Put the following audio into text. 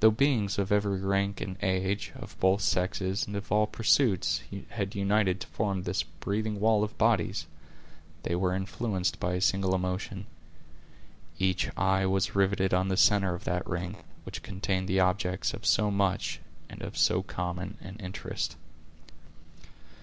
Though beings of every rank and age, of both sexes, and of all pursuits, had united to form this breathing wall of bodies, they were influenced by a single emotion. Each eye was riveted on the center of that ring, which contained the objects of so much and of so common an interest.